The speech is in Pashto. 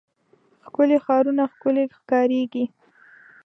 ښکلي ښارونه ښکلي ښکاريږي.